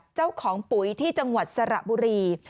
ปุ๋ยที่จังหวัดสระบุรี